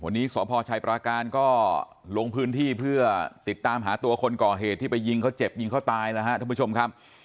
วันนี้สพชัยปราการก็ลงพื้นที่เพื่อติดตามหาตัวคนก่อเหตุที่ไปยิงเขาเจ็บยิงเขาตายแล้วครับท่านผู้ชมครับ